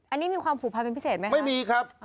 อันนี้มีความผูกพันเป็นพิเศษไหมไม่มีครับ